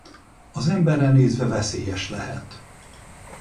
Az emberre nézve veszélyes lehet.